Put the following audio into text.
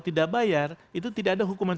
tidak bayar itu tidak ada hukuman